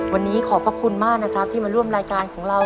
วันนี้ขอบพระคุณมากนะครับที่มาร่วมรายการของเรา